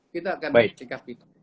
kita akan sikap itu